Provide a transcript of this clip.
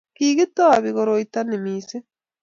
kikotebi koroita ni missing